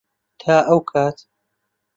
تا ئەو کات.